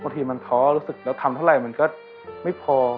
บางทีมันท้อรู้สึกเราทำเท่าไหร่มันก็ไม่พอ